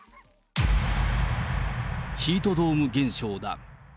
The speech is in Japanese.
ヒートドーム現象だ。